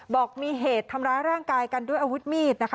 บอกมีเหตุทำร้ายร่างกายกันด้วยอาวุธมีดนะคะ